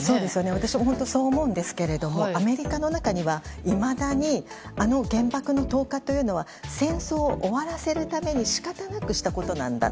私も本当にそう思うんですけれどもアメリカの中には、いまだにあの原爆の投下というのは戦争を終わらせるために仕方なくしたことなんだ。